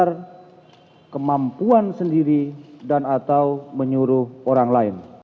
ber kemampuan sendiri dan atau menyuruh orang lain